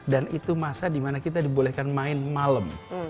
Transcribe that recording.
dan itu masa dimana kita dibolehkan main malam